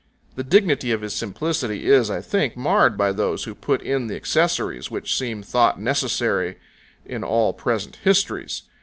The dignity of his simplicity is, I think, marred by those who put in the accessories which seem thought necessary in all present histories.